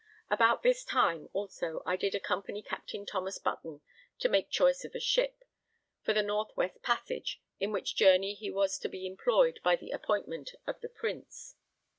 About this time also I did accompany Captain Thomas Button to make choice of a ship for the North west Passage, in which journey he was to be employed by the appointment of the Prince.